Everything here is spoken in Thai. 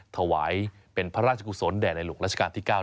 ถวายเป็นพระราชกุศลแด่ในหลวงราชการที่๙